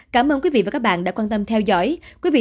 cảm ơn quý vị và các bạn đã quan tâm theo dõi